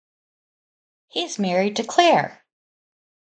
He is married to Claire.